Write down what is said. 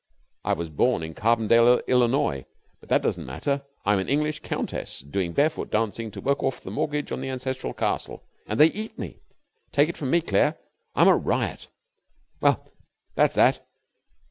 I was born in Carbondale, Illinois, but that doesn't matter I'm an English countess, doing barefoot dancing to work off the mortgage on the ancestral castle, and they eat me. Take it from me, Claire, I'm a riot. Well, that's that.